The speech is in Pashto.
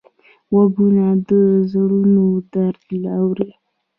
غوږونه د زړونو درد اوري